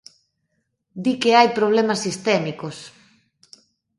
Di que hai problemas sistémicos.